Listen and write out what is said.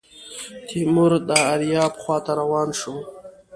تیمور د ایریاب خواته روان شو.